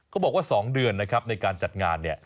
บอกว่า๒เดือนนะครับในการจัดงานเนี่ย